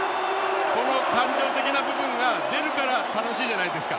この感情的な部分が出るから楽しいじゃないですか。